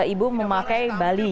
ibu memakai bali